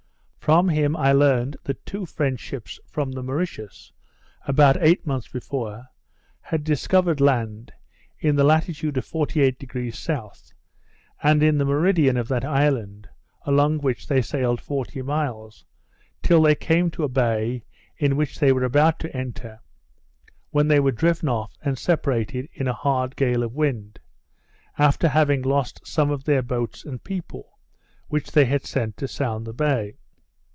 From him I learned that two French ships from the Mauritius, about eight months before, had discovered land, in the latitude of 48° S., and in the meridian of that island, along which they sailed forty miles, till they came to a bay into which they were about to enter, when they were driven off and separated in a hard gale of wind, after having lost some of their boats and people, which they had sent to sound the bay.